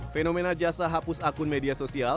fenomena jasa hapus akun media sosial